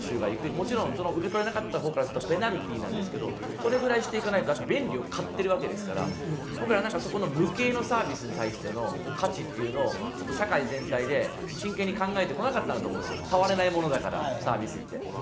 もちろん受け取れなかった方からするとペナルティーなんですけれども、それぐらいしていかないと、便利を買ってるわけですから、そこの無形のサービスに対しての価値というのを社会全体で真剣に考えてこなかったと思うんですよ、触れないものだからサービスって。